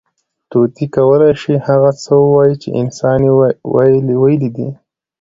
طوطي کولی شي، هغه څه ووایي، چې انسان ویلي دي.